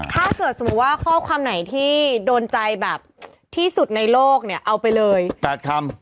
ถ้าเกิดสมมุติว่าข้อความไหนที่โดนใจแบบที่สุดในโลกเนี่ยเอาไปเลย๘คำ